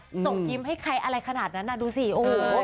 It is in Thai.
ส่งยิ้มให้ใครอะไรขนาดนั้นน่ะดูสิโอ้โห